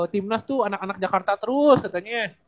timnas tuh anak anak jakarta terus katanya ya